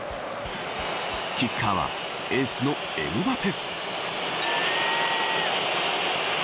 キッカーはエースのエムバペ。